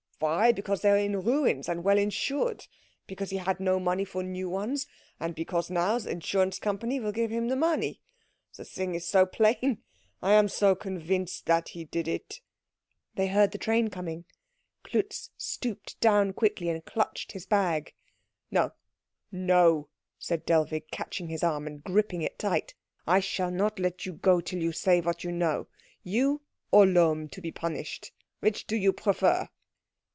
"Why? Because they were in ruins, and well insured. Because he had no money for new ones; and because now the insurance company will give him the money. The thing is so plain I am so convinced that he did it " They heard the train coming. Klutz stooped down quickly and clutched his bag. "No, no," said Dellwig, catching his arm and gripping it tight, "I shall not let you go till you say what you know. You or Lohm to be punished which do you prefer?"